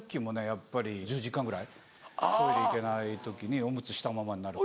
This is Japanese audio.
やっぱり１０時間ぐらいトイレ行けない時にオムツしたままになる。